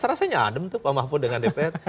rasanya adem tuh pak mafud dengan dpr